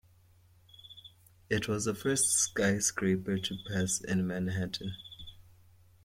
It was the first skyscraper to pass in Manhattan.